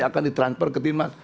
yang akan di transfer ke timnas